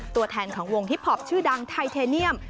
ตัวแทนของวงฮิปพอปชื่อดังไทเทเนียม